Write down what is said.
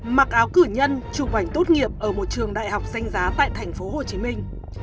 mặc áo cử nhân chụp ảnh tốt nghiệp ở một trường đại học danh giá tại thành phố hồ chí minh